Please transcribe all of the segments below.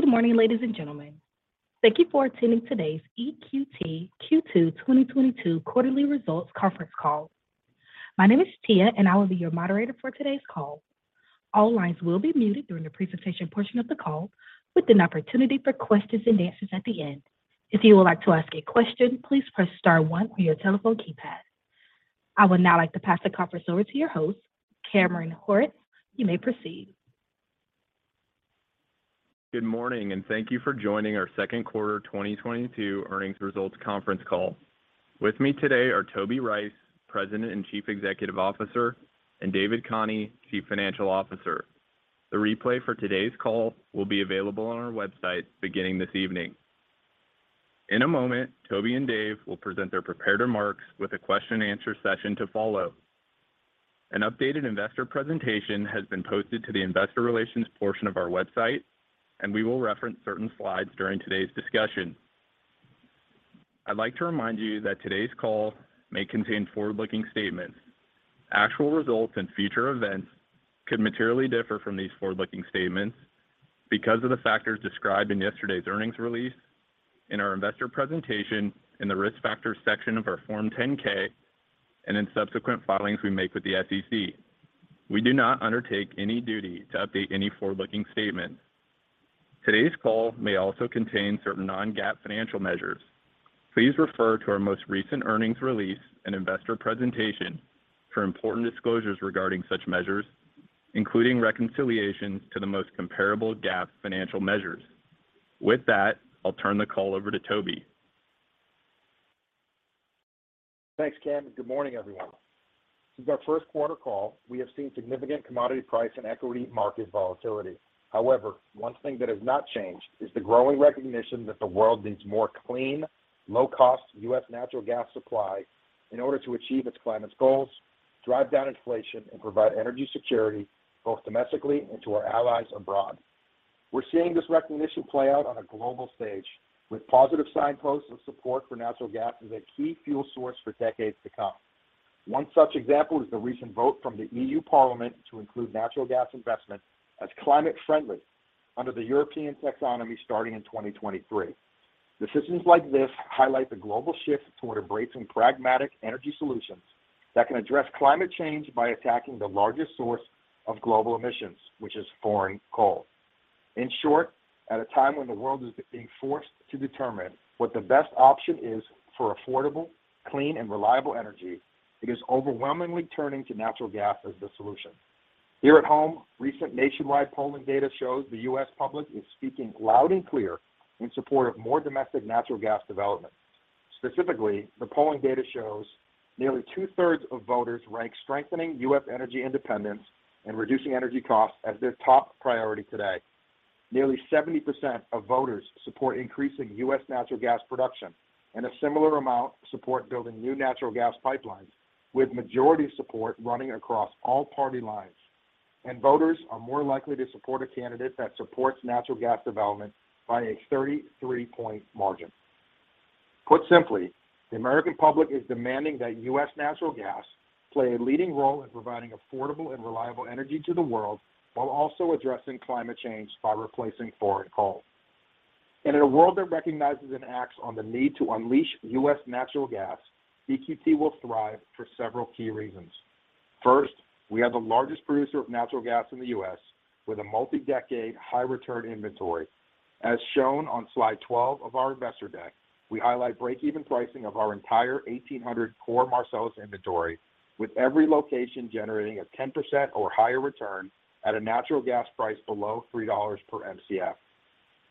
Good morning, ladies and gentlemen. Thank you for attending today's EQT Q2 2022 quarterly results conference call. My name is Tia, and I will be your moderator for today's call. All lines will be muted during the presentation portion of the call with an opportunity for questions and answers at the end. If you would like to ask a question, please press star one on your telephone keypad. I would now like to pass the conference over to your host, Cameron Horwitz. You may proceed. Good morning, and thank you for joining our second quarter 2022 earnings results conference call. With me today are Toby Rice, President and Chief Executive Officer, and David Khani, Chief Financial Officer. The replay for today's call will be available on our website beginning this evening. In a moment, Toby and Dave will present their prepared remarks with a question-answer-session to follow. An updated investor presentation has been posted to the Investor Relations portion of our website, and we will reference certain slides during today's discussion. I'd like to remind you that today's call may contain forward-looking statements. Actual results and future events could materially differ from these forward-looking statements because of the factors described in yesterday's earnings release, in our investor presentation, in the Risk Factors section of our Form 10-K, and in subsequent filings we make with the SEC. We do not undertake any duty to update any forward-looking statement. Today's call may also contain certain non-GAAP financial measures. Please refer to our most recent earnings release and investor presentation for important disclosures regarding such measures, including reconciliations to the most comparable GAAP financial measures. With that, I'll turn the call over to Toby. Thanks, Cam, and good morning, everyone. Since our first quarter call, we have seen significant commodity price and equity market volatility. However, one thing that has not changed is the growing recognition that the world needs more clean, low-cost U.S. natural gas supply in order to achieve its climate goals, drive down inflation, and provide energy security both domestically and to our allies abroad. We're seeing this recognition play out on a global stage with positive signposts of support for natural gas as a key fuel source for decades to come. One such example is the recent vote from the EU Parliament to include natural gas investment as climate friendly under the European taxonomy starting in 2023. Decisions like this highlight the global shift toward embracing pragmatic energy solutions that can address climate change by attacking the largest source of global emissions, which is foreign coal. In short, at a time when the world is being forced to determine what the best option is for affordable, clean and reliable energy, it is overwhelmingly turning to natural gas as the solution. Here at home, recent nationwide polling data shows the U.S. public is speaking loud and clear in support of more domestic natural gas development. Specifically, the polling data shows nearly two-thirds of voters rank strengthening U.S. energy independence and reducing energy costs as their top priority today. Nearly 70% of voters support increasing U.S. natural gas production, and a similar amount support building new natural gas pipelines, with majority support running across all party lines. Voters are more likely to support a candidate that supports natural gas development by a 33-point margin. Put simply, the American public is demanding that U.S. natural gas play a leading role in providing affordable and reliable energy to the world while also addressing climate change by replacing foreign coal. In a world that recognizes and acts on the need to unleash U.S. natural gas, EQT will thrive for several key reasons. First, we are the largest producer of natural gas in the U.S. with a multi-decade high return inventory. As shown on slide 12 of our investor deck, we highlight break even pricing of our entire 1,800 core Marcellus inventory, with every location generating a 10% or higher return at a natural gas price below $3 per Mcf.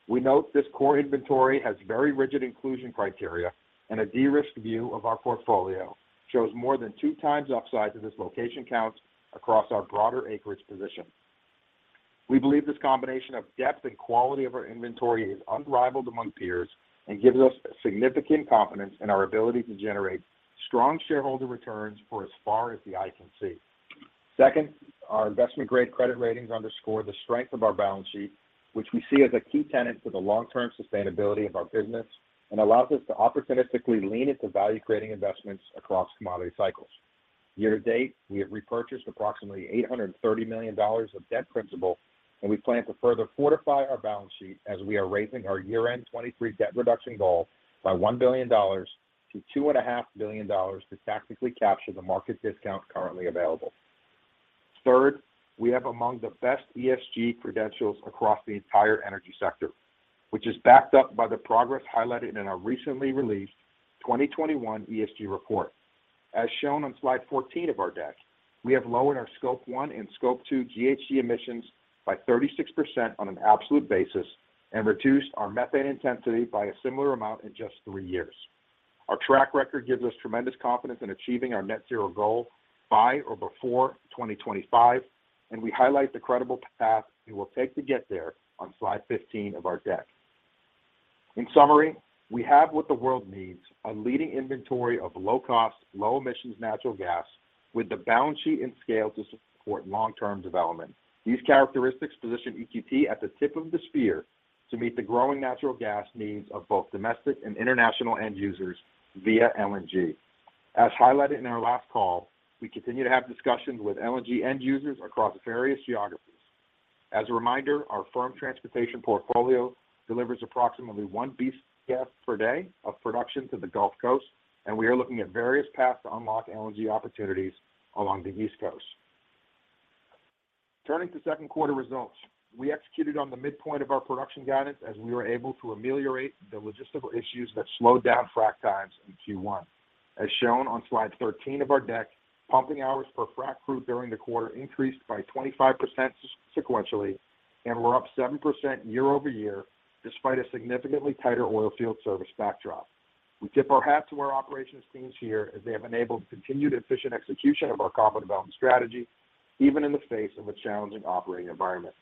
We note this core inventory has very rigid inclusion criteria, and a de-risked view of our portfolio shows more than 2x upside to this location count across our broader acreage position. We believe this combination of depth and quality of our inventory is unrivaled among peers and gives us significant confidence in our ability to generate strong shareholder returns for as far as the eye can see. Second, our investment grade credit ratings underscore the strength of our balance sheet, which we see as a key tenet for the long-term sustainability of our business and allows us to opportunistically lean into value-creating investments across commodity cycles. Year-to-date, we have repurchased approximately $830 million of debt principal, and we plan to further fortify our balance sheet as we are raising our year-end 2023 debt reduction goal by $1 billion to $2.5 billion to tactically capture the market discount currently available. Third, we have among the best ESG credentials across the entire energy sector, which is backed up by the progress highlighted in our recently released 2021 ESG report. As shown on slide 14 of our deck, we have lowered our Scope 1 and Scope 2 GHG emissions by 36% on an absolute basis and reduced our methane intensity by a similar amount in just three years. Our track record gives us tremendous confidence in achieving our net zero goal by or before 2025, and we highlight the credible path it will take to get there on slide 15 of our deck. In summary, we have what the world needs. A leading inventory of low-cost, low emissions natural gas with the balance sheet and scale to support long-term development. These characteristics position EQT at the tip of the spear to meet the growing natural gas needs of both domestic and international end users via LNG. As highlighted in our last call, we continue to have discussions with LNG end users across various geographies. As a reminder, our firm transportation portfolio delivers approximately 1 Bcf per day of production to the Gulf Coast, and we are looking at various paths to unlock LNG opportunities along the East Coast. Turning to second quarter results. We executed on the midpoint of our production guidance as we were able to ameliorate the logistical issues that slowed down frac times in Q1. As shown on slide 13 of our deck, pumping hours per frac crew during the quarter increased by 25% sequentially and were up 7% year-over-year despite a significantly tighter oilfield service backdrop. We tip our hats to our operations teams here as they have enabled continued efficient execution of our combo development strategy even in the face of a challenging operating environment.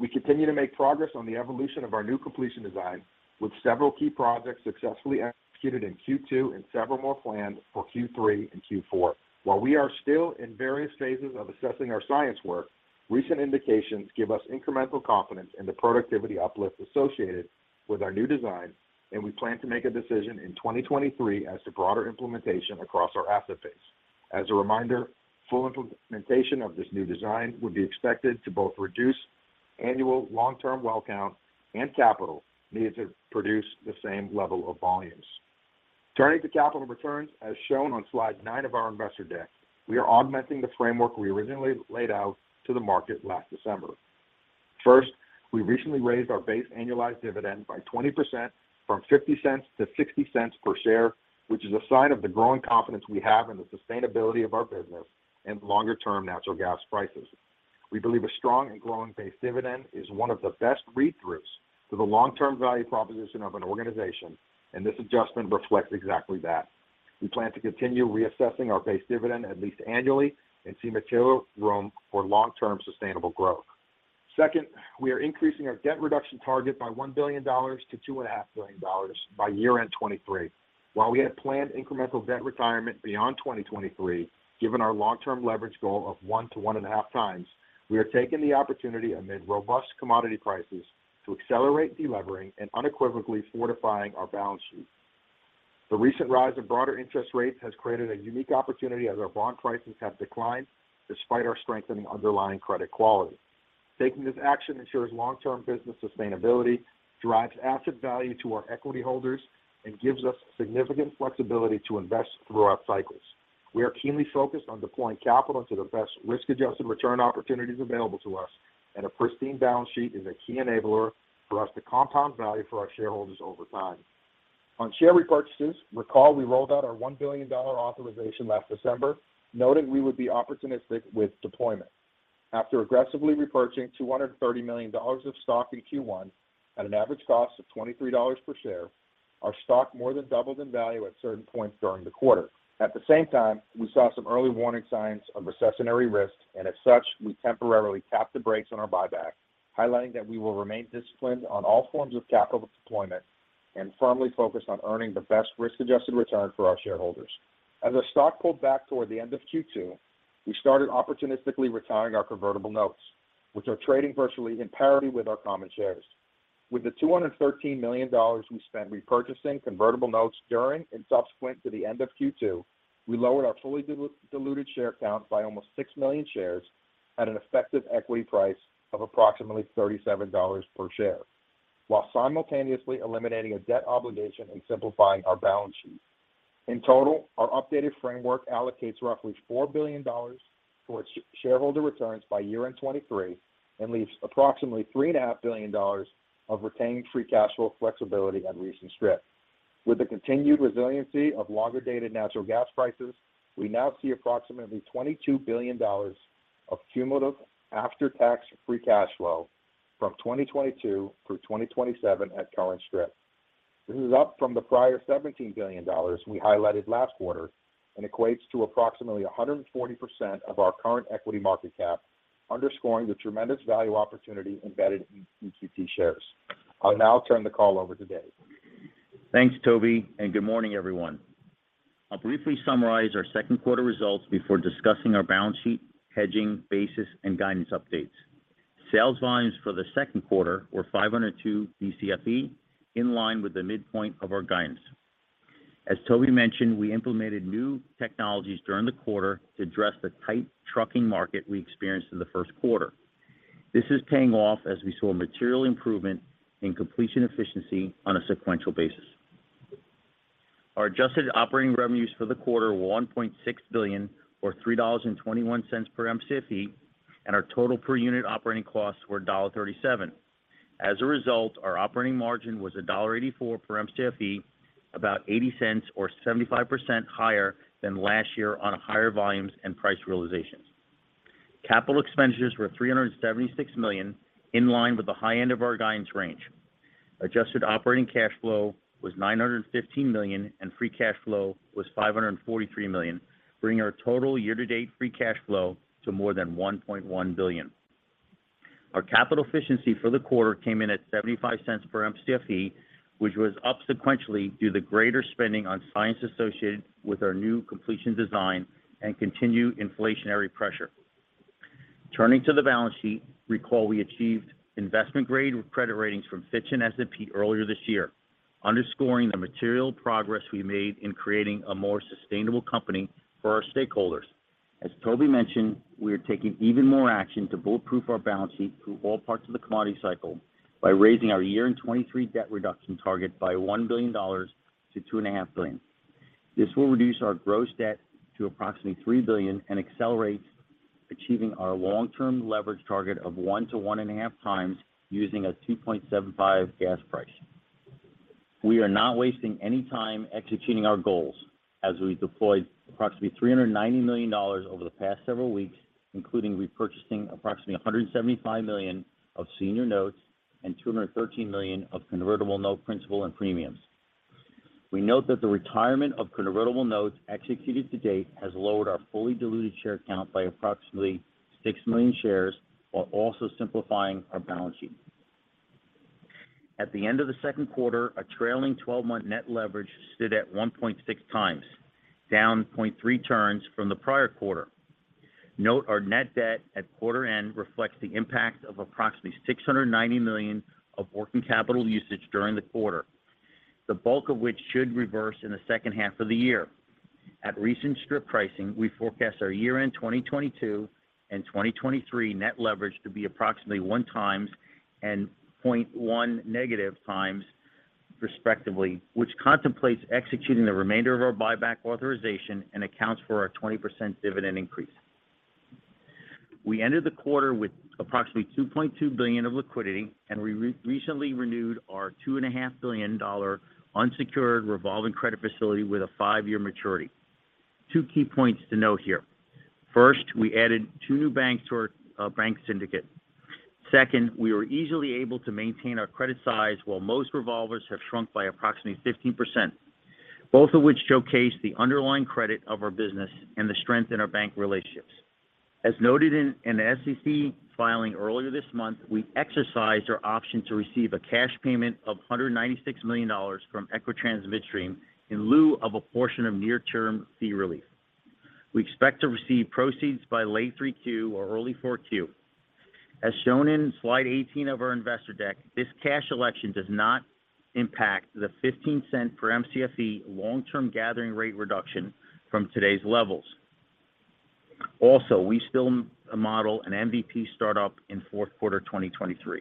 We continue to make progress on the evolution of our new completion design, with several key projects successfully executed in Q2 and several more planned for Q3 and Q4. While we are still in various phases of assessing our science work, recent indications give us incremental confidence in the productivity uplift associated with our new design, and we plan to make a decision in 2023 as to broader implementation across our asset base. As a reminder, full implementation of this new design would be expected to both reduce annual long-term well count and capital needed to produce the same level of volumes. Turning to capital returns, as shown on slide nine of our investor deck, we are augmenting the framework we originally laid out to the market last December. First, we recently raised our base annualized dividend by 20% from $0.50 to $0.60 per share, which is a sign of the growing confidence we have in the sustainability of our business and longer-term natural gas prices. We believe a strong and growing base dividend is one of the best read-throughs to the long-term value proposition of an organization, and this adjustment reflects exactly that. We plan to continue reassessing our base dividend at least annually and see material room for long-term sustainable growth. Second, we are increasing our debt reduction target by $1 billion to $2.5 billion by year-end 2023. While we had planned incremental debt retirement beyond 2023, given our long-term leverage goal of 1x-1.5x, we are taking the opportunity amid robust commodity prices to accelerate delevering and unequivocally fortifying our balance sheet. The recent rise in broader interest rates has created a unique opportunity as our bond prices have declined despite our strengthening underlying credit quality. Taking this action ensures long-term business sustainability, drives asset value to our equity holders, and gives us significant flexibility to invest throughout cycles. We are keenly focused on deploying capital to the best risk-adjusted return opportunities available to us, and a pristine balance sheet is a key enabler for us to compound value for our shareholders over time. On share repurchases, recall we rolled out our $1 billion authorization last December, noting we would be opportunistic with deployment. After aggressively repurchasing $230 million of stock in Q1 at an average cost of $23 per share, our stock more than doubled in value at certain points during the quarter. At the same time, we saw some early warning signs of recessionary risk, and as such, we temporarily tapped the brakes on our buyback, highlighting that we will remain disciplined on all forms of capital deployment and firmly focused on earning the best risk-adjusted return for our shareholders. As our stock pulled back toward the end of Q2, we started opportunistically retiring our convertible notes, which are trading virtually in parity with our common shares. With the $213 million we spent repurchasing convertible notes during and subsequent to the end of Q2, we lowered our fully diluted share count by almost 6 million shares at an effective equity price of approximately $37 per share while simultaneously eliminating a debt obligation and simplifying our balance sheet. In total, our updated framework allocates roughly $4 billion toward shareholder returns by year-end 2023 and leaves approximately $3.5 billion of retained free cash flow flexibility at recent strip. With the continued resiliency of longer-dated natural gas prices, we now see approximately $22 billion of cumulative after-tax free cash flow from 2022 through 2027 at current strip. This is up from the prior $17 billion we highlighted last quarter and equates to approximately 140% of our current equity market cap, underscoring the tremendous value opportunity embedded in EQT shares. I'll now turn the call over to David. Thanks, Toby, and good morning, everyone. I'll briefly summarize our second quarter results before discussing our balance sheet, hedging, basis, and guidance updates. Sales volumes for the second quarter were 502 Bcfe, in line with the midpoint of our guidance. As Toby mentioned, we implemented new technologies during the quarter to address the tight trucking market we experienced in the first quarter. This is paying off as we saw material improvement in completion efficiency on a sequential basis. Our adjusted operating revenues for the quarter were $1.6 billion or $3.21 per Mcfe, and our total per-unit operating costs were $1.37. As a result, our operating margin was $1.84 per Mcfe, about $0.80 cents or 75% higher than last year on higher volumes and price realizations. Capital expenditures were $376 million, in line with the high end of our guidance range. Adjusted operating cash flow was $915 million, and free cash flow was $543 million, bringing our total year-to-date free cash flow to more than $1.1 billion. Our capital efficiency for the quarter came in at $0.75 per Mcfe, which was up sequentially due to greater spending on science associated with our new completion design and continued inflationary pressure. Turning to the balance sheet, recall we achieved investment grade with credit ratings from Fitch and S&P earlier this year, underscoring the material progress we made in creating a more sustainable company for our stakeholders. As Toby mentioned, we are taking even more action to bulletproof our balance sheet through all parts of the commodity cycle by raising our year-end 2023 debt reduction target by $1 billion-$2.5 billion. This will reduce our gross debt to approximately $3 billion and accelerate achieving our long-term leverage target of 1x-1.5x using a $2.75 gas price. We are not wasting any time executing our goals as we deployed approximately $390 million over the past several weeks, including repurchasing approximately $175 million of senior notes and $213 million of convertible note principal and premiums. We note that the retirement of convertible notes executed to date has lowered our fully diluted share count by approximately 6 million shares, while also simplifying our balance sheet. At the end of the second quarter, a trailing 12-month net leverage stood at 1.6x, down 0.3 turns from the prior quarter. Note our net debt at quarter end reflects the impact of approximately $690 million of working capital usage during the quarter, the bulk of which should reverse in the second half of the year. At recent strip pricing, we forecast our year-end 2022 and 2023 net leverage to be approximately 1x and -0.1x respectively, which contemplates executing the remainder of our buyback authorization and accounts for our 20% dividend increase. We ended the quarter with approximately $2.2 billion of liquidity, and we recently renewed our $2.5 billion unsecured revolving credit facility with a five-year maturity. Two key points to note here. First, we added two new banks to our bank syndicate. Second, we were easily able to maintain our credit size while most revolvers have shrunk by approximately 15%, both of which showcase the underlying credit of our business and the strength in our bank relationships. As noted in an SEC filing earlier this month, we exercised our option to receive a cash payment of $196 million from Equitrans Midstream in lieu of a portion of near-term fee relief. We expect to receive proceeds by late 3Q or early 4Q. As shown in slide 18 of our investor deck, this cash election does not impact the $0.15 per Mcfe long-term gathering rate reduction from today's levels. Also, we still model an MVP start-up in fourth quarter 2023.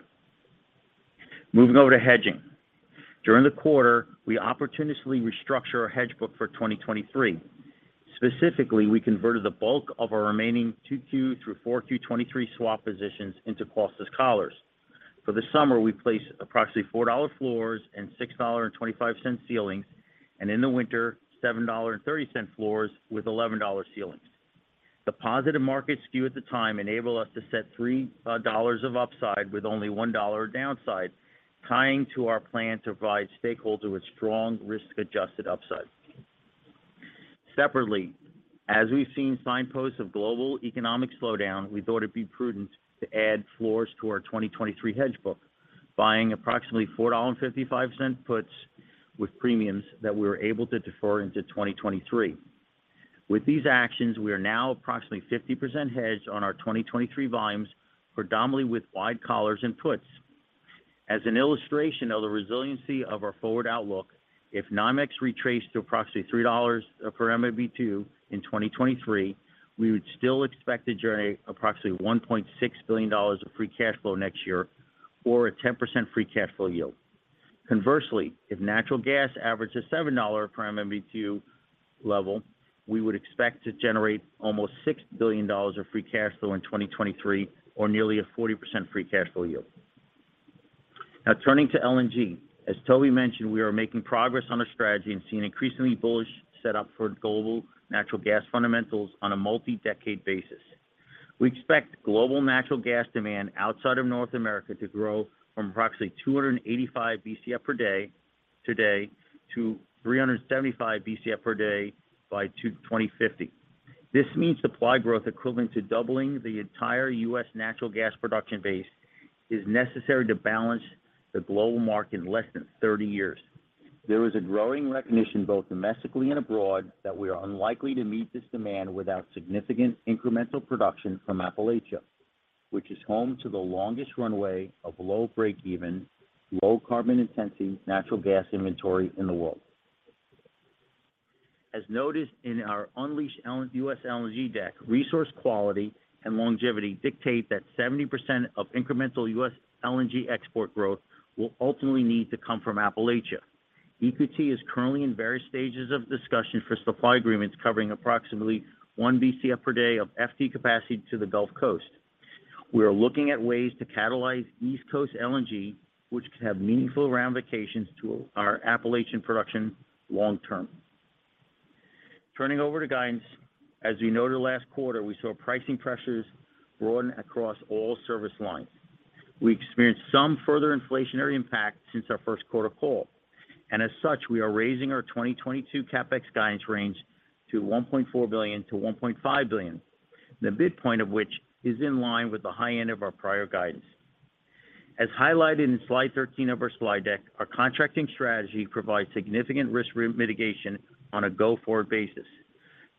Moving over to hedging. During the quarter, we opportunistically restructure our hedge book for 2023. Specifically, we converted the bulk of our remaining 2Q through 4Q 2023 swap positions into costless collars. For the summer, we placed approximately $4 floors and $6.25 ceilings, and in the winter, $7.30 floors with $11 ceilings. The positive market skew at the time enabled us to set $3 of upside with only $1 downside, tying to our plan to provide stakeholders with strong risk-adjusted upside. Separately, as we've seen signposts of global economic slowdown, we thought it'd be prudent to add floors to our 2023 hedge book, buying approximately $4.55 puts with premiums that we were able to defer into 2023. With these actions, we are now approximately 50% hedged on our 2023 volumes, predominantly with wide collars and puts. As an illustration of the resiliency of our forward outlook, if NYMEX retraced to approximately $3 per MMBtu in 2023, we would still expect to generate approximately $1.6 billion of free cash flow next year or a 10% free cash flow yield. Conversely, if natural gas averaged a $7 per MMBtu level, we would expect to generate almost $6 billion of free cash flow in 2023 or nearly a 40% free cash flow yield. Now turning to LNG. As Toby mentioned, we are making progress on our strategy and seeing increasingly bullish set up for global natural gas fundamentals on a multi-decade basis. We expect global natural gas demand outside of North America to grow from approximately 285 Bcf per day today to 375 Bcf per day by 2050. This means supply growth equivalent to doubling the entire U.S. natural gas production base is necessary to balance the global market in less than 30 years. There is a growing recognition both domestically and abroad that we are unlikely to meet this demand without significant incremental production from Appalachia, which is home to the longest runway of low break-even, low carbon intensity natural gas inventory in the world. As noted in our Unleash U.S. LNG deck, resource quality and longevity dictate that 70% of incremental U.S. LNG export growth will ultimately need to come from Appalachia. EQT is currently in various stages of discussion for supply agreements covering approximately 1 Bcf per day of FT capacity to the Gulf Coast. We are looking at ways to catalyze East Coast LNG, which could have meaningful ramifications to our Appalachian production long term. Turning over to guidance. As we noted last quarter, we saw pricing pressures broaden across all service lines. We experienced some further inflationary impact since our first quarter call. As such, we are raising our 2022 CapEx guidance range to $1.4 billion-$1.5 billion. The midpoint of which is in line with the high end of our prior guidance. As highlighted in slide 13 of our slide deck, our contracting strategy provides significant risk mitigation on a go-forward basis.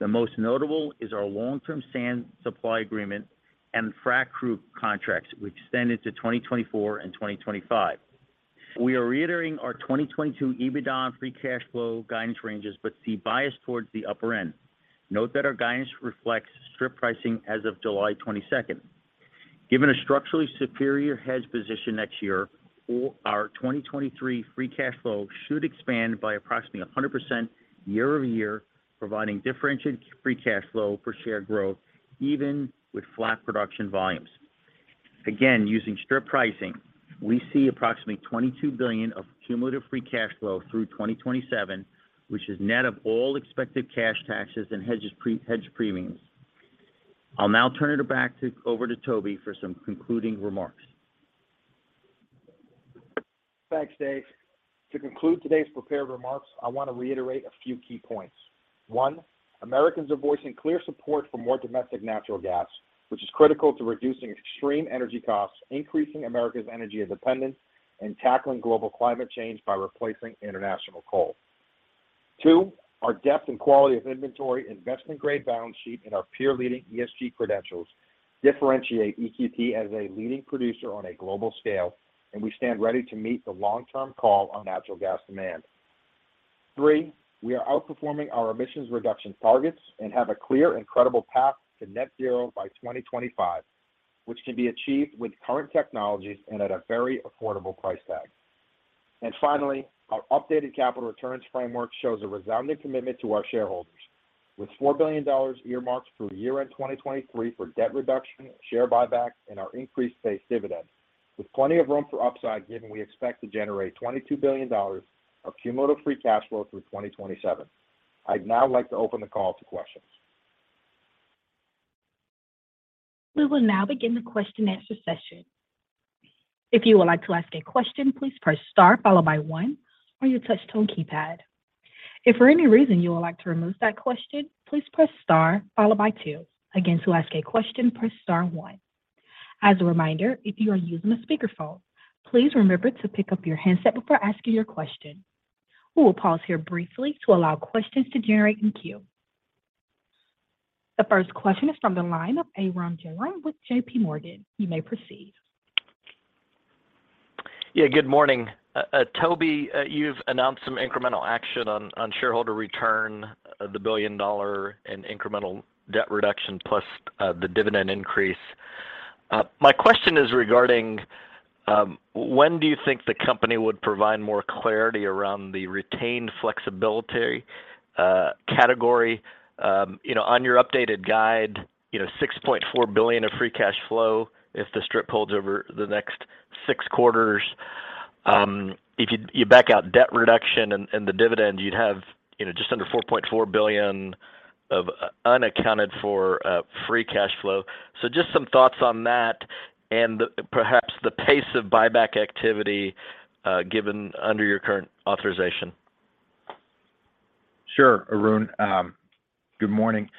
The most notable is our long-term sand supply agreement and frac crew contracts, which extended to 2024 and 2025. We are reiterating our 2022 EBITDA and free cash flow guidance ranges, but see bias towards the upper end. Note that our guidance reflects strip pricing as of July 22. Given a structurally superior hedge position next year, our 2023 free cash flow should expand by approximately 100% year-over-year, providing differentiated free cash flow for share growth even with flat production volumes. Again, using strip pricing, we see approximately $22 billion of cumulative free cash flow through 2027, which is net of all expected cash taxes and hedges pre-hedge premiums. I'll now turn it over to Toby for some concluding remarks. Thanks, Dave. To conclude today's prepared remarks, I want to reiterate a few key points. One, Americans are voicing clear support for more domestic natural gas, which is critical to reducing extreme energy costs, increasing America's energy independence, and tackling global climate change by replacing international coal. Two, our depth and quality of inventory, investment-grade balance sheet, and our peer-leading ESG credentials differentiate EQT as a leading producer on a global scale, and we stand ready to meet the long-term call on natural gas demand. Three, we are outperforming our emissions reduction targets and have a clear and credible path to net-zero by 2025, which can be achieved with current technologies and at a very affordable price tag. Finally, our updated capital returns framework shows a resounding commitment to our shareholders, with $4 billion earmarked through year-end 2023 for debt reduction, share buybacks, and our increased base dividend. With plenty of room for upside, given we expect to generate $22 billion of cumulative free cash flow through 2027. I'd now like to open the call to questions. We will now begin the question and answer session. If you would like to ask a question, please press star followed by one on your touch tone keypad. If for any reason you would like to remove that question, please press star followed by two. Again, to ask a question, press star one. As a reminder, if you are using a speakerphone, please remember to pick up your handset before asking your question. We will pause here briefly to allow questions to generate in queue. The first question is from the line of Arun Jayaram with JPMorgan. You may proceed. Yeah, good morning. Toby, you've announced some incremental action on shareholder return, the $1 billion in incremental debt reduction plus the dividend increase. My question is regarding when do you think the company would provide more clarity around the retained flexibility category? You know, on your updated guide, you know, $6.4 billion of free cash flow if the strip holds over the next six quarters. If you back out debt reduction and the dividend, you'd have, you know, just under $4.4 billion of unaccounted for free cash flow. Just some thoughts on that and perhaps the pace of buyback activity given under your current authorization. Sure, Arun. Good morning.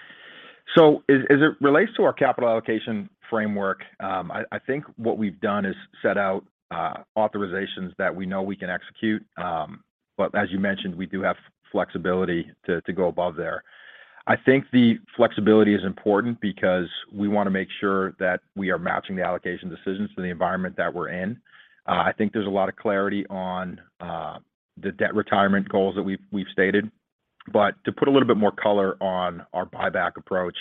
As it relates to our capital allocation framework, I think what we've done is set out authorizations that we know we can execute. As you mentioned, we do have flexibility to go above there. I think the flexibility is important because we wanna make sure that we are matching the allocation decisions to the environment that we're in. I think there's a lot of clarity on the debt retirement goals that we've stated. To put a little bit more color on our buyback approach,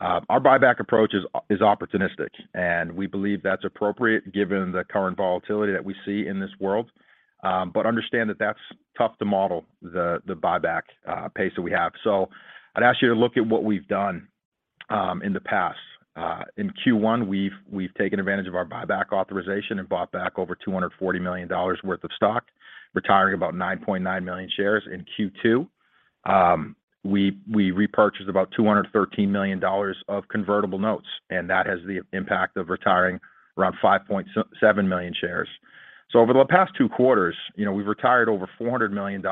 our buyback approach is opportunistic, and we believe that's appropriate given the current volatility that we see in this world. Understand that that's tough to model, the buyback pace that we have. I'd ask you to look at what we've done in the past. In Q1, we've taken advantage of our buyback authorization and bought back over $240 million worth of stock, retiring about 9.9 million shares. In Q2, we repurchased about $213 million of convertible notes, and that has the impact of retiring around 5.7 million shares. Over the past two quarters, you know, we've retired over $400 million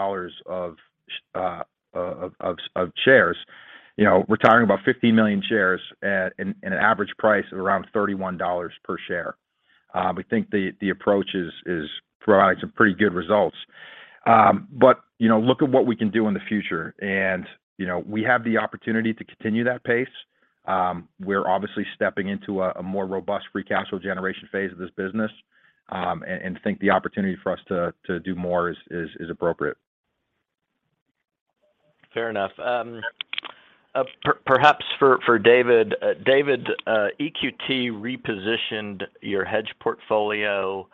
of shares. You know, retiring about 15 million shares at an average price of around $31 per share. We think the approach is providing some pretty good results. You know, look at what we can do in the future. You know, we have the opportunity to continue that pace. We're obviously stepping into a more robust free cash flow generation phase of this business, and think the opportunity for us to do more is appropriate. Fair enough. Perhaps for David. David, EQT repositioned your hedge portfolio.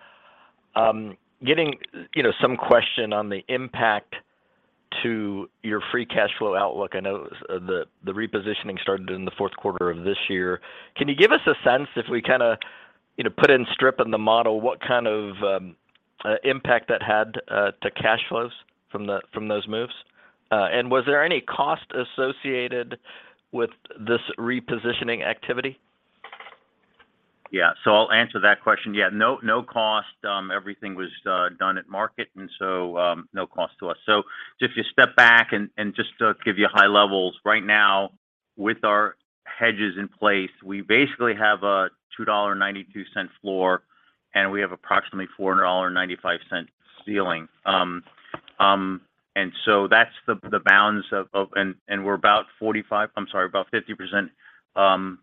Getting, you know, some question on the impact to your free cash flow outlook. I know the repositioning started in the fourth quarter of this year. Can you give us a sense if we kind of, you know, put in strip in the model, what kind of impact that had to cash flows from those moves? And was there any cost associated with this repositioning activity? Yeah. I'll answer that question. Yeah, no cost. Everything was done at market, and so no cost to us. Just to step back and just to give you high levels, right now, with our hedges in place. We basically have a $2.92 floor, and we have approximately $4.95 ceiling. That's the bounds of. We're about 50%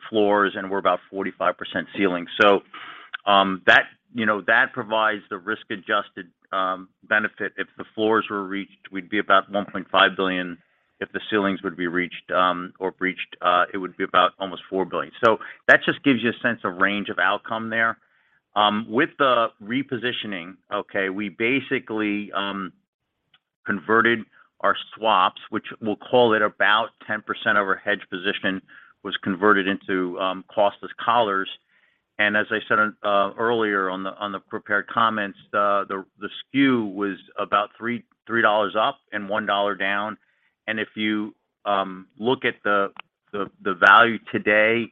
floors, and we're about 45% ceiling. That, you know, provides the risk-adjusted benefit. If the floors were reached, we'd be about $1.5 billion. If the ceilings would be reached, or breached, it would be about almost $4 billion. That just gives you a sense of range of outcome there. With the repositioning, we basically converted our swaps, which we'll call it about 10% of our hedge position was converted into costless collars. As I said earlier on the prepared comments, the SKU was about $3 up and $1 down. If you look at the value today,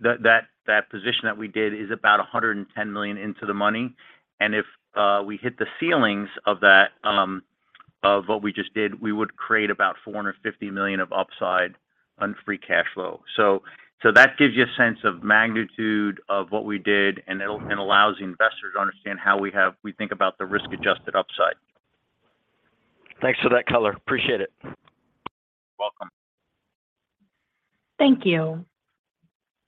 that position that we did is about $110 million into the money. If we hit the ceilings of that of what we just did, we would create about $450 million of upside on free cash flow. That gives you a sense of magnitude of what we did, and it allows the investor to understand how we think about the risk-adjusted upside. Thanks for that color. Appreciate it. You're welcome. Thank you.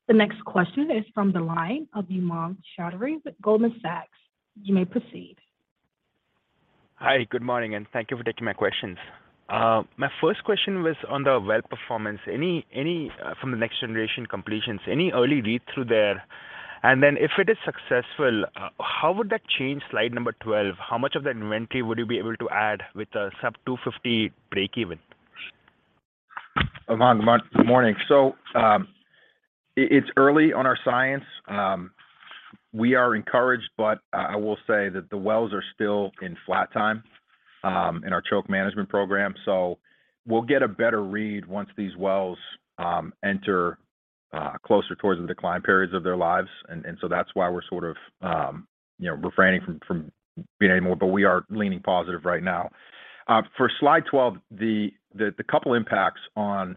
The next question is from the line of Umang Choudhary with Goldman Sachs. You may proceed. Hi, good morning, and thank you for taking my questions. My first question was on the well performance. Any from the next generation completions, any early read-through there? If it is successful, how would that change slide number 12? How much of that inventory would you be able to add with the sub-$250 breakeven? Umang, good morning. It's early on our science. We are encouraged, but I will say that the wells are still in flat time in our choke management program. We'll get a better read once these wells enter closer towards the decline periods of their lives. That's why we're sort of you know refraining from being any more, but we are leaning positive right now. For slide 12, the couple impacts on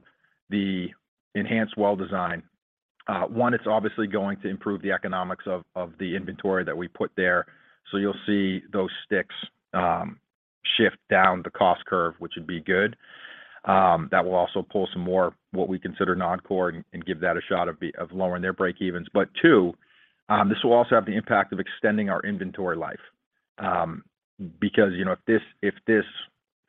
the enhanced well design. One, it's obviously going to improve the economics of the inventory that we put there. You'll see those sticks shift down the cost curve, which would be good. That will also pull some more what we consider non-core and give that a shot of lowering their breakevens. Two, this will also have the impact of extending our inventory life. Because, you know, if this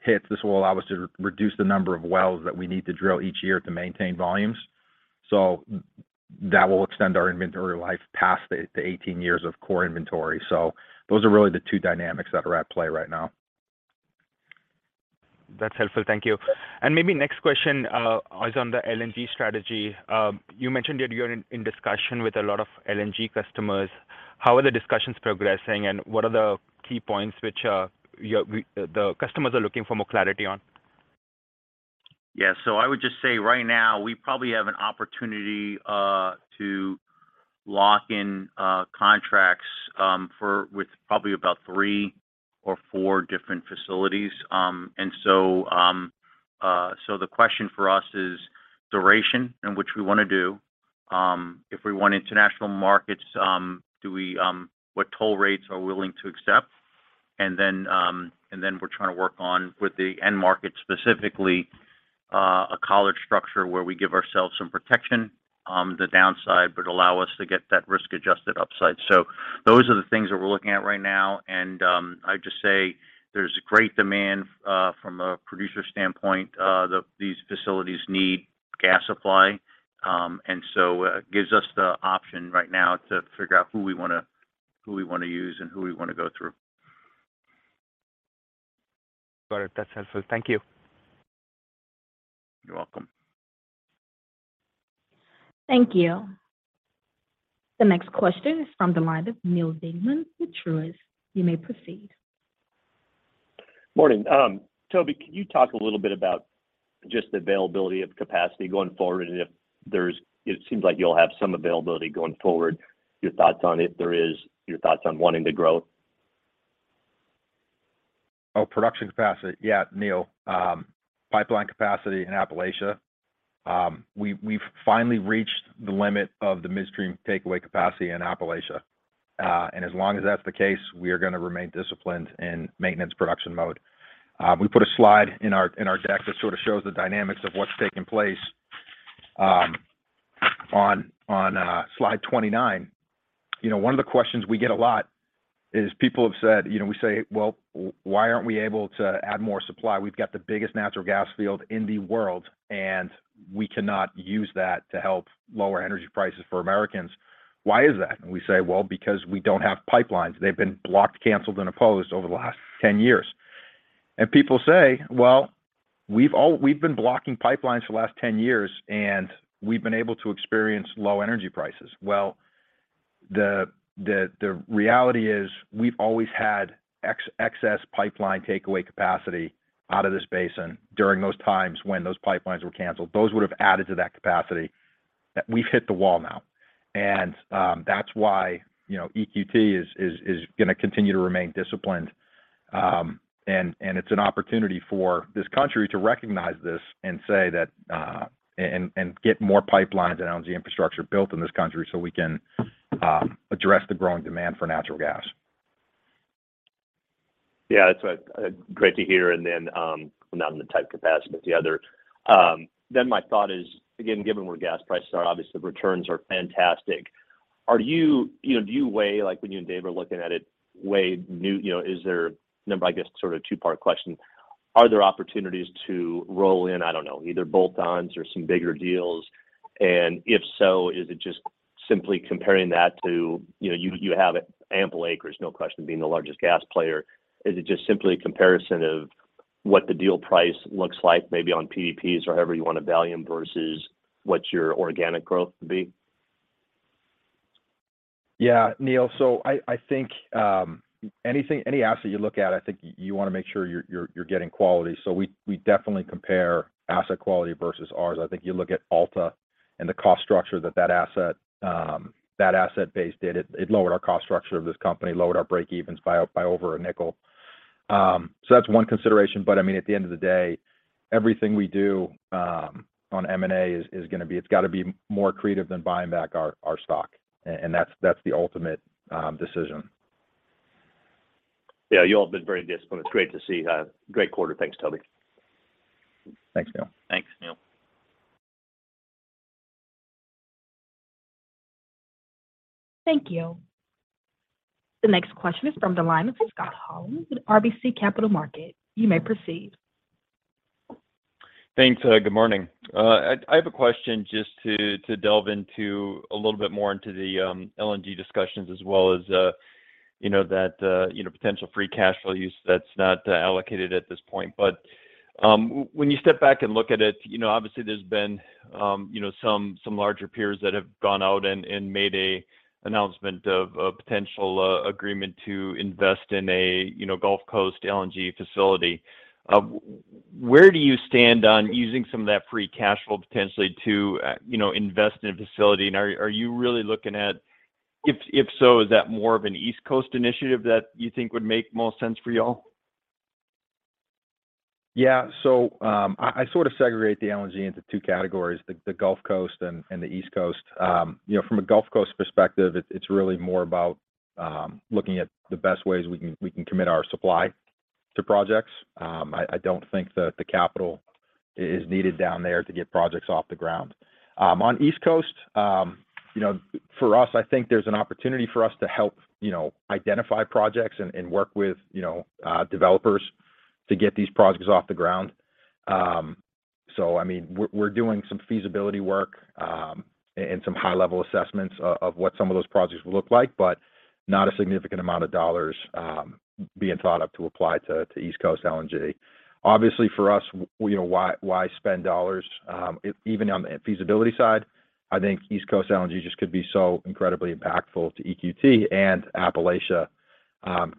hits, this will allow us to reduce the number of wells that we need to drill each year to maintain volumes. That will extend our inventory life past the 18 years of core inventory. Those are really the two dynamics that are at play right now. That's helpful. Thank you. Maybe next question is on the LNG strategy. You mentioned that you're in discussion with a lot of LNG customers. How are the discussions progressing, and what are the key points which the customers are looking for more clarity on? Yeah. I would just say right now, we probably have an opportunity to lock in contracts with probably about three or four different facilities. The question for us is duration in which we wanna do. If we want international markets, what toll rates are we willing to accept? Then we're trying to work on with the end market, specifically, a collar structure where we give ourselves some protection on the downside, but allow us to get that risk-adjusted upside. Those are the things that we're looking at right now. I'd just say there's great demand from a producer standpoint, these facilities need gas supply. It gives us the option right now to figure out who we wanna use and who we wanna go through. Got it. That's helpful. Thank you. You're welcome. Thank you. The next question is from the line of Neal Dingmann with Truist. You may proceed. Morning. Toby, can you talk a little bit about just the availability of capacity going forward? It seems like you'll have some availability going forward. Your thoughts on if there is, your thoughts on wanting to grow. Oh, production capacity. Yeah, Neal. Pipeline capacity in Appalachia. We've finally reached the limit of the midstream takeaway capacity in Appalachia. As long as that's the case, we are gonna remain disciplined in maintenance production mode. We put a slide in our deck that sort of shows the dynamics of what's taking place on slide 29. You know, one of the questions we get a lot is people have said, you know, we say, "Well, why aren't we able to add more supply? We've got the biggest natural gas field in the world, and we cannot use that to help lower energy prices for Americans. Why is that?" And we say, "Well, because we don't have pipelines. They've been blocked, canceled, and opposed over the last 10 years." People say, "Well, we've been blocking pipelines for the last 10 years, and we've been able to experience low energy prices." Well, the reality is we've always had excess pipeline takeaway capacity out of this basin during those times when those pipelines were canceled. Those would have added to that capacity. We've hit the wall now. That's why, you know, EQT is gonna continue to remain disciplined. It's an opportunity for this country to recognize this and say that, and get more pipelines and LNG infrastructure built in this country so we can address the growing demand for natural gas. Yeah, that's great to hear, and then not in the type capacity, but the other. My thought is, again, given where gas prices are, obviously the returns are fantastic. You know, do you weigh, like when you and Dave are looking at it? You know, is there, number, I guess, sort of two-part question. Are there opportunities to roll in, I don't know, either bolt-ons or some bigger deals? If so, is it just simply comparing that to, you know, you have ample acres, no question, being the largest gas player. Is it just simply a comparison of what the deal price looks like maybe on PDPs or however you want to value them versus what your organic growth would be? Yeah. Neal, I think anything any asset you look at, I think you wanna make sure you're getting quality. We definitely compare asset quality versus ours. I think you look at Alta and the cost structure that asset base did. It lowered our cost structure of this company, lowered our breakevens by over a $0.05. That's one consideration. I mean, at the end of the day, everything we do on M&A is gonna be. It's gotta be more creative than buying back our stock. That's the ultimate decision. Yeah, you all have been very disciplined. It's great to see. Great quarter. Thanks, Toby. Thanks, Neal. Thanks, Neal. Thank you. The next question is from the line of Scott Hanold with RBC Capital Markets. You may proceed. Thanks. Good morning. I have a question just to delve into a little bit more into the LNG discussions as well as you know that you know potential free cash flow use that's not allocated at this point. When you step back and look at it, you know, obviously there's been you know some larger peers that have gone out and made a announcement of a potential agreement to invest in a you know Gulf Coast LNG facility. Where do you stand on using some of that free cash flow potentially to you know invest in a facility? And are you really looking at. If so, is that more of an East Coast initiative that you think would make most sense for y'all? I sort of segregate the LNG into two categories, the Gulf Coast and the East Coast. You know, from a Gulf Coast perspective, it's really more about looking at the best ways we can commit our supply to projects. I don't think that the capital is needed down there to get projects off the ground. On East Coast, you know, for us, I think there's an opportunity for us to help identify projects and work with developers to get these projects off the ground. I mean, we're doing some feasibility work and some high-level assessments of what some of those projects look like, but not a significant amount of dollars being thought of to apply to East Coast LNG. Obviously, for us, you know, why spend dollars, even on the feasibility side? I think East Coast LNG just could be so incredibly impactful to EQT and Appalachia.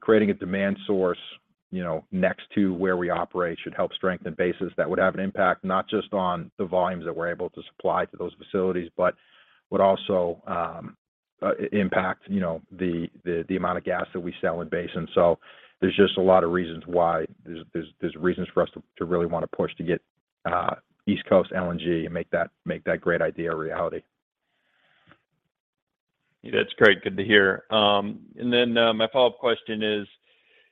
Creating a demand source, you know, next to where we operate should help strengthen basis that would have an impact, not just on the volumes that we're able to supply to those facilities, but would also impact, you know, the amount of gas that we sell in basin. There's just a lot of reasons why. There's reasons for us to really wanna push to get East Coast LNG and make that great idea a reality. That's great. Good to hear. My follow-up question is,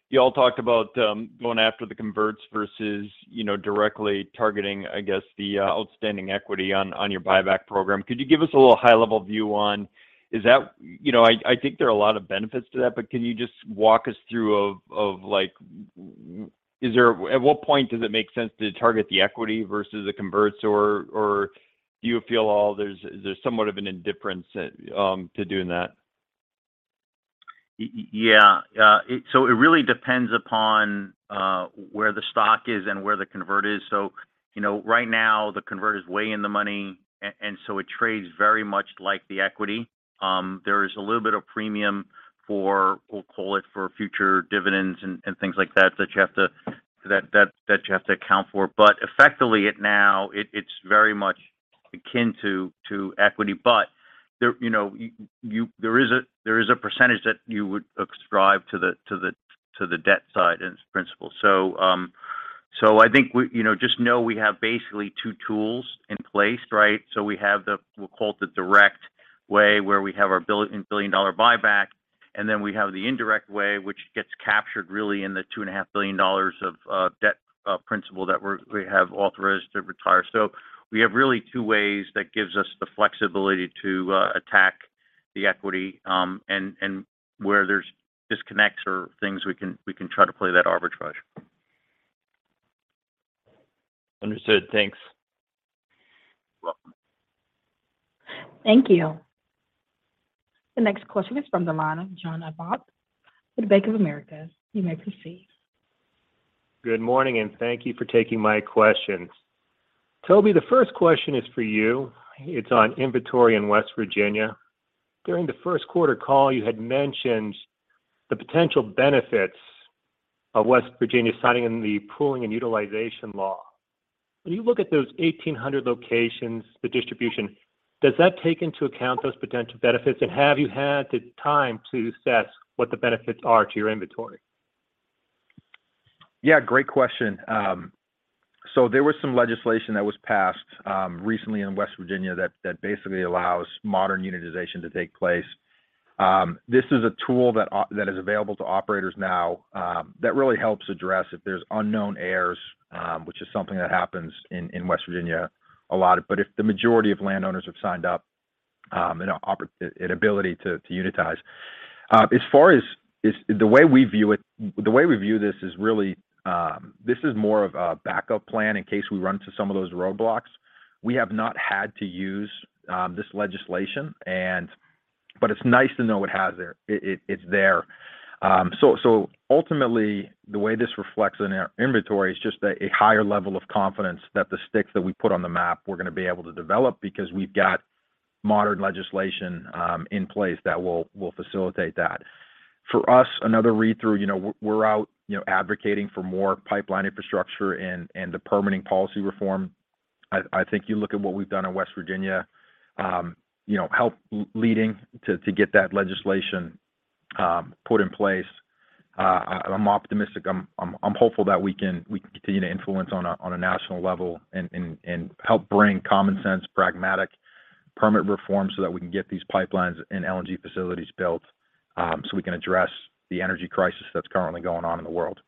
you all talked about going after the converts versus, you know, directly targeting, I guess, the outstanding equity on your buyback program. Could you give us a little high-level view. You know, I think there are a lot of benefits to that, but can you just walk us through at what point does it make sense to target the equity versus the converts? Or do you feel there's somewhat of an indifference to doing that? Yeah. It really depends upon where the stock is and where the convert is. You know, right now the convert is way in the money and so it trades very much like the equity. There is a little bit of premium for, we'll call it, for future dividends and things like that that you have to account for. Effectively, it's very much akin to equity. You know, there is a percentage that you would ascribe to the debt side and its principal. I think, you know, we have basically two tools in place, right? We have what we'll call the direct way, where we have our $1 billion buyback, and then we have the indirect way, which gets captured really in the $2.5 billion of debt principal that we have authorized to retire. We have really two ways that gives us the flexibility to attack the equity, and where there's disconnects or things we can try to play that arbitrage. Understood. Thanks. Welcome. Thank you. The next question is from the line of John Abbott with Bank of America. You may proceed. Good morning, and thank you for taking my questions. Toby, the first question is for you. It's on inventory in West Virginia. During the first quarter call, you had mentioned the potential benefits of West Virginia signing the pooling and utilization law. When you look at those 1,800 locations, the distribution, does that take into account those potential benefits? Have you had the time to assess what the benefits are to your inventory? Yeah, great question. There was some legislation that was passed recently in West Virginia that basically allows modern unitization to take place. This is a tool that is available to operators now that really helps address if there's unknown heirs, which is something that happens in West Virginia a lot. If the majority of landowners have signed up an ability to unitize. As far as the way we view this is really this is more of a backup plan in case we run into some of those roadblocks. We have not had to use this legislation but it's nice to know it's there. It's there. Ultimately, the way this reflects in our inventory is just a higher level of confidence that the sticks that we put on the map we're gonna be able to develop because we've got modern legislation in place that will facilitate that. For us, another read-through, you know, we're out, you know, advocating for more pipeline infrastructure and the permitting policy reform. I think you look at what we've done in West Virginia, you know, helping to get that legislation put in place. I'm optimistic. I'm hopeful that we can continue to influence on a national level and help bring common sense, pragmatic permit reform so that we can get these pipelines and LNG facilities built, so we can address the energy crisis that's currently going on in the world.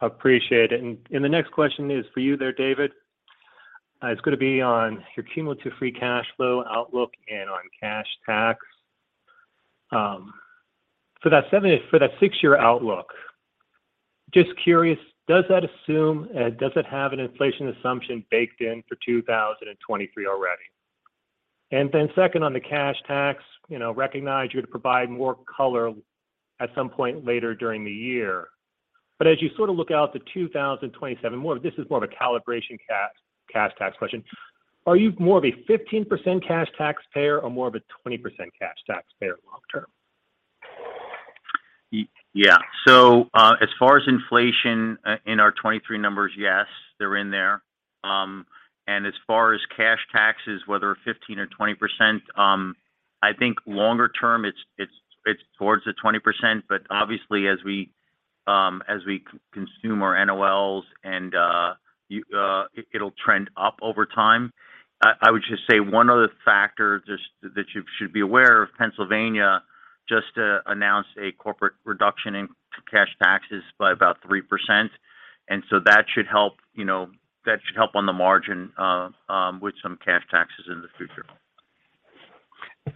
Appreciate it. The next question is for you there, David. It's gonna be on your cumulative free cash flow outlook and on cash tax. For that six-year outlook, just curious, does that assume does it have an inflation assumption baked in for 2023 already? Second on the cash tax, you know, recognize you're to provide more color at some point later during the year. As you sort of look out to 2027, this is more of a calibration cash tax question. Are you more of a 15% cash taxpayer or more of a 20% cash taxpayer long term? Yeah. As far as inflation, in our 2023 numbers, yes, they're in there. As far as cash taxes, whether 15% or 20%, I think longer term, it's towards the 20%. But obviously, as we consume our NOLs and, it'll trend up over time. I would just say one other factor just that you should be aware of, Pennsylvania just announced a corporate reduction in cash taxes by about 3%. That should help, you know, that should help on the margin, with some cash taxes in the future.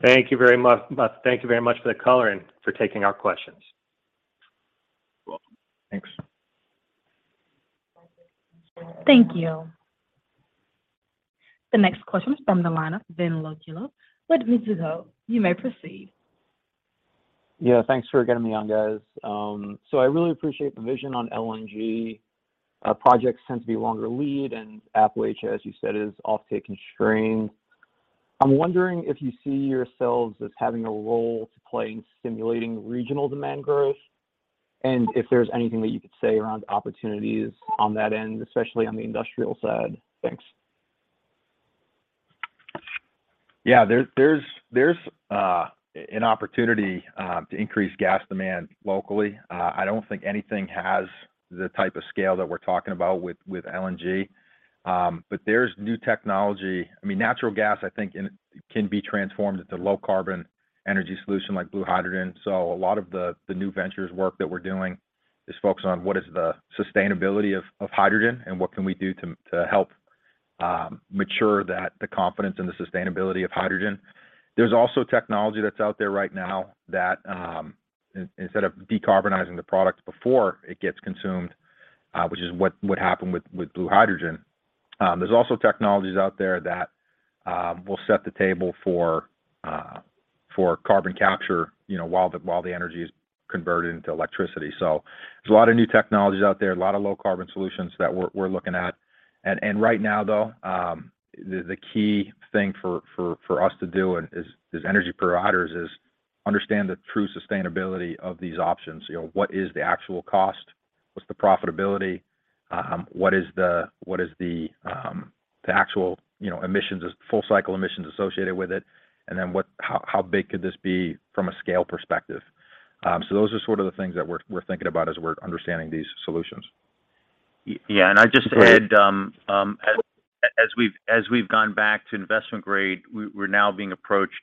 Thank you very much. Thank you very much for the color and for taking our questions. You're welcome. Thanks. Thank you. The next question is from the line of Vin Lovaglio with Mizuho. You may proceed. Yeah, thanks for getting me on, guys. I really appreciate the vision on LNG. Projects tend to be longer lead, and Appalachian, as you said, is offtake constrained. I'm wondering if you see yourselves as having a role to play in stimulating regional demand growth, and if there's anything that you could say around opportunities on that end, especially on the industrial side. Thanks. Yeah. There's an opportunity to increase gas demand locally. I don't think anything has the type of scale that we're talking about with LNG. There's new technology. I mean, natural gas, I think can be transformed into low carbon energy solution like blue hydrogen. A lot of the new ventures work that we're doing is focused on what is the sustainability of hydrogen and what can we do to help mature that, the confidence and the sustainability of hydrogen. There's also technology that's out there right now that instead of decarbonizing the product before it gets consumed, which is what would happen with blue hydrogen. There's also technologies out there that will set the table for carbon capture, you know, while the energy is converted into electricity. There's a lot of new technologies out there, a lot of low-carbon solutions that we're looking at. Right now, though, the key thing for us to do is, as energy providers, is understand the true sustainability of these options. You know, what is the actual cost? What's the profitability? What is the actual, you know, emissions, full cycle emissions associated with it? How big could this be from a scale perspective? Those are sort of the things that we're thinking about as we're understanding these solutions. Yeah. I just add, as we've gone back to investment grade, we're now being approached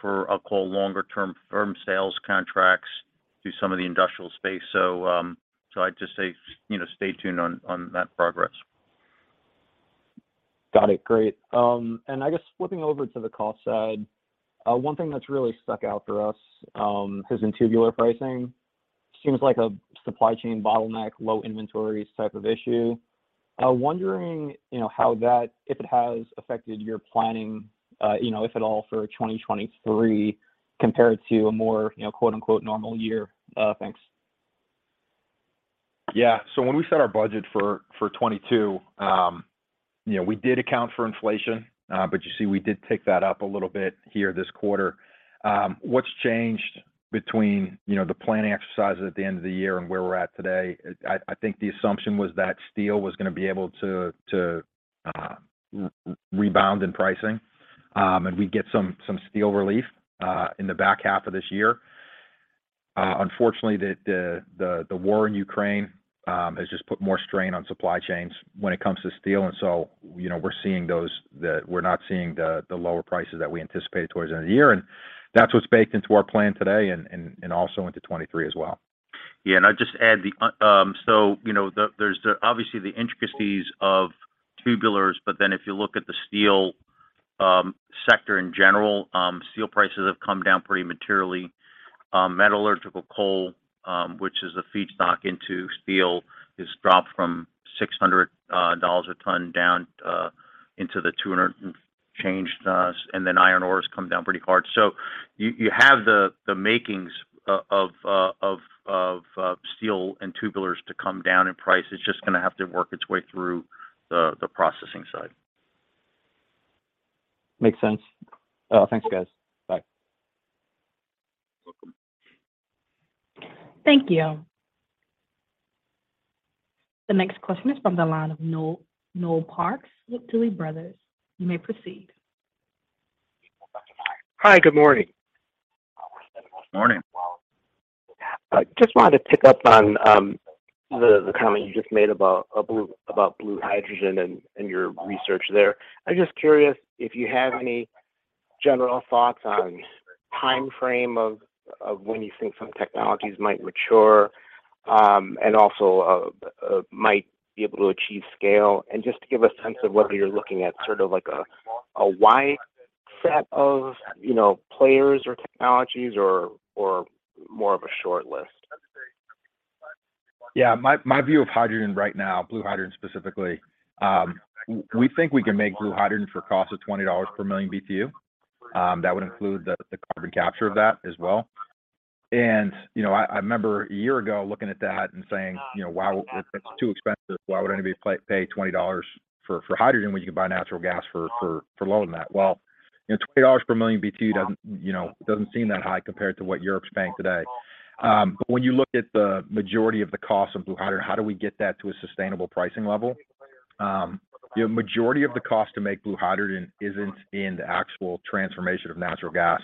for, I'll call longer term firm sales contracts to some of the industrial space. I'd just say, you know, stay tuned on that progress. Got it. Great. I guess flipping over to the cost side, one thing that's really stuck out for us has been tubular pricing. Seems like a supply chain bottleneck, low inventories type of issue. I'm wondering, you know, how that, if it has affected your planning, you know, if at all for 2023 compared to a more, you know, quote-unquote, 'normal year'. Thanks. Yeah. When we set our budget for 2022, you know, we did account for inflation, but you see we did tick that up a little bit here this quarter. What's changed between, you know, the planning exercises at the end of the year and where we're at today, I think the assumption was that steel was gonna be able to to rebound in pricing, and we'd get some steel relief in the back half of this year. Unfortunately, the war in Ukraine has just put more strain on supply chains when it comes to steel, and you know, we're seeing those. We're not seeing the lower prices that we anticipated towards the end of the year. That's what's baked into our plan today and also into 2023 as well. Yeah. I'd just add, so you know, there's obviously the intricacies of tubulars, but then if you look at the steel sector in general, steel prices have come down pretty materially. Metallurgical coal, which is a feedstock into steel, has dropped from $600 a ton down into the $200 and change. And then iron ore has come down pretty hard. So you have the makings of steel and tubulars to come down in price. It's just gonna have to work its way through the processing side. Makes sense. Thanks, guys. Bye. Welcome. Thank you. The next question is from the line of Noel Parks with Tuohy Brothers. You may proceed. Hi, good morning. Morning. I just wanted to pick up on the comment you just made about blue hydrogen and your research there. I'm just curious if you have any general thoughts on timeframe of when you think some technologies might mature, and also might be able to achieve scale, and just to give a sense of whether you're looking at sort of like a wide set of, you know, players or technologies or more of a short list. Yeah. My view of hydrogen right now, blue hydrogen specifically, we think we can make blue hydrogen for a cost of $20 per million BTU. That would include the carbon capture of that as well. You know, I remember a year ago looking at that and saying, you know, "Wow, it's too expensive. Why would anybody pay $20 for hydrogen when you can buy natural gas for lower than that?" Well, you know, $20 per million BTU doesn't seem that high compared to what Europe's paying today. When you look at the majority of the cost of blue hydrogen, how do we get that to a sustainable pricing level? You know, majority of the cost to make blue hydrogen isn't in the actual transformation of natural gas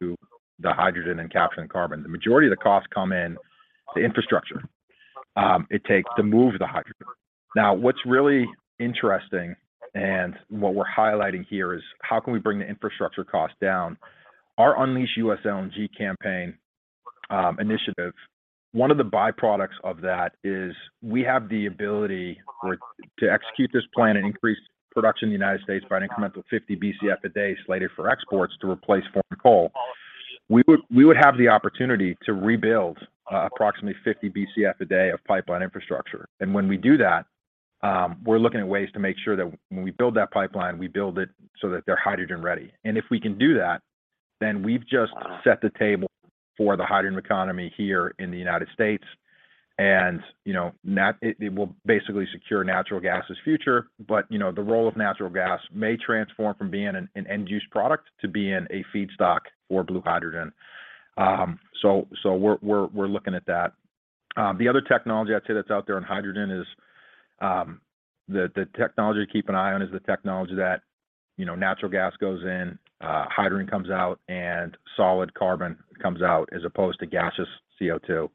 to the hydrogen and capturing carbon. The majority of the costs come in the infrastructure it takes to move the hydrogen. Now, what's really interesting and what we're highlighting here is how can we bring the infrastructure cost down? Our Unleash U.S. LNG campaign initiative, one of the byproducts of that is we have the ability to execute this plan and increase production in the United States by an incremental 50 Bcf a day slated for exports to replace foreign coal. We would have the opportunity to rebuild approximately 50 Bcf a day of pipeline infrastructure. When we do that, we're looking at ways to make sure that when we build that pipeline, we build it so that they're hydrogen ready. If we can do that, then we've just set the table for the hydrogen economy here in the United States. It will basically secure natural gas's future, but, you know, the role of natural gas may transform from being an end-use product to being a feedstock for blue hydrogen. We're looking at that. The other technology I'd say that's out there in hydrogen is the technology to keep an eye on is the technology that, you know, natural gas goes in, hydrogen comes out, and solid carbon comes out as opposed to gaseous CO2.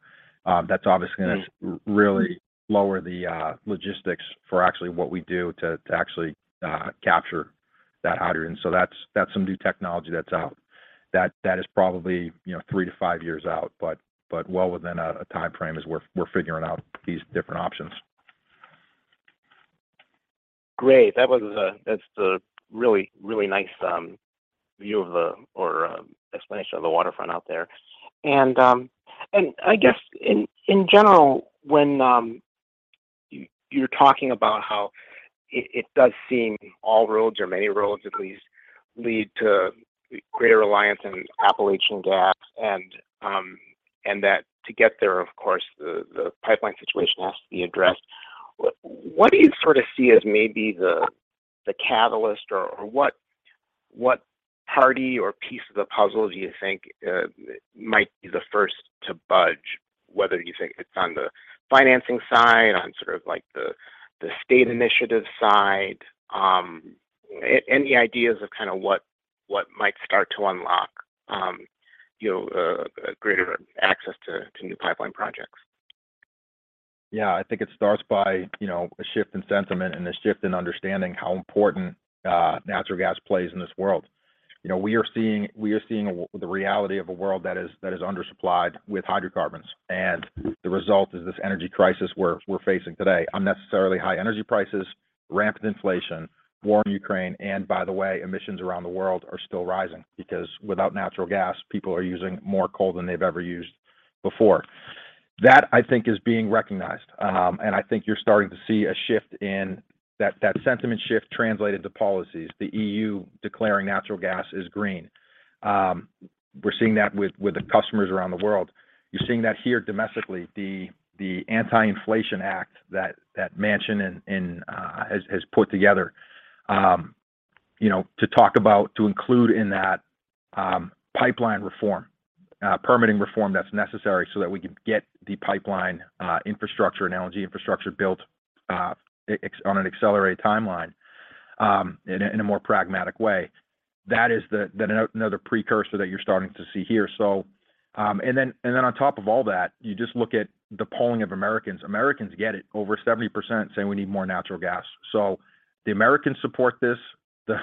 That's obviously gonna really lower the logistics for actually what we do to actually capture that hydrogen. That's some new technology that's out. That is probably, you know, three to five years out, but well within a timeframe as we're figuring out these different options. Great. That was a really, really nice view of the explanation of the waterfront out there. I guess in general, when you're talking about how it does seem all roads or many roads at least lead to greater reliance on Appalachian gas and that to get there, of course, the pipeline situation has to be addressed. What do you sort of see as maybe the catalyst or what party or piece of the puzzle do you think might be the first to budge, whether you think it's on the financing side, on sort of like the state initiative side? Any ideas of kind of what might start to unlock you know a greater access to new pipeline projects? Yeah. I think it starts by, you know, a shift in sentiment and a shift in understanding how important natural gas plays in this world. You know, we are seeing the reality of a world that is, that is undersupplied with hydrocarbons, and the result is this energy crisis we're facing today. Unnecessarily high energy prices, rampant inflation, war in Ukraine, and by the way, emissions around the world are still rising because without natural gas, people are using more coal than they've ever used before. That, I think, is being recognized, and I think you're starting to see a shift in that sentiment shift translated to policies, the EU declaring natural gas is green. We're seeing that with the customers around the world. You're seeing that here domestically, the Inflation Reduction Act that Manchin and has put together. You know, to talk about, to include in that, pipeline reform, permitting reform that's necessary so that we can get the pipeline infrastructure and energy infrastructure built, on an accelerated timeline, in a more pragmatic way. That is another precursor that you're starting to see here. And then on top of all that, you just look at the polling of Americans. Americans get it, over 70% saying we need more natural gas. The Americans support this,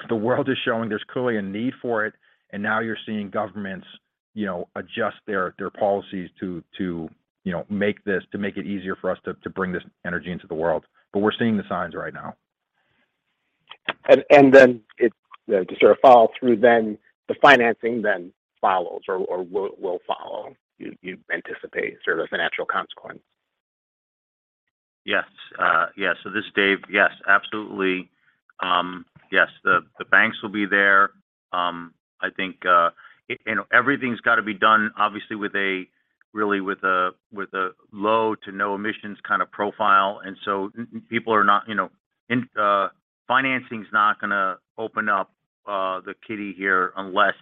the world is showing there's clearly a need for it, and now you're seeing governments, you know, adjust their policies to you know make it easier for us to bring this energy into the world. But we're seeing the signs right now. And then to sort of follow through then, the financing then follows or will follow, you anticipate sort of a natural consequence. Yes. Yes. This is David. Yes, absolutely. Yes, the banks will be there. I think, you know, everything's got to be done obviously with a really, with a low to no emissions kinda profile. People are not, you know, financing's not gonna open up the kitty here unless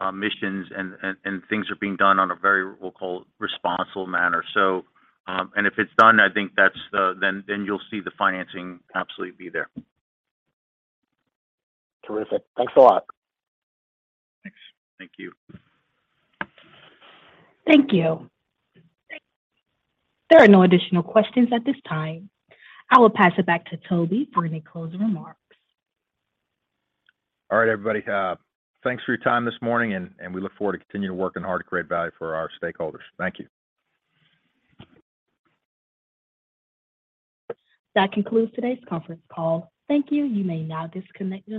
emissions and things are being done on a very, we'll call it, responsible manner. If it's done, I think that's it. Then you'll see the financing absolutely be there. Terrific. Thanks a lot. Thanks. Thank you. Thank you. There are no additional questions at this time. I will pass it back to Toby for any closing remarks. All right, everybody, thanks for your time this morning, and we look forward to continuing to work hard at great value for our stakeholders. Thank you. That concludes today's conference call. Thank you. You may now disconnect your-